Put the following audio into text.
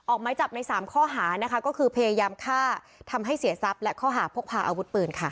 ไม้จับใน๓ข้อหานะคะก็คือพยายามฆ่าทำให้เสียทรัพย์และข้อหาพกพาอาวุธปืนค่ะ